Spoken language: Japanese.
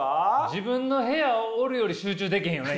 自分の部屋おるより集中できへんよね